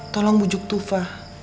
tolong bujuk tufa